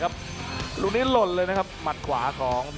อัศวินาศาสตร์